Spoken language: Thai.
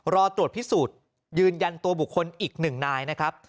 รอตรวจพิสูจน์ยืนยันตัวบุคคลอีกหนึ่งนายนะครับ